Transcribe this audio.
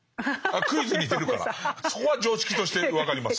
クイズに出るからそこは常識として分かります。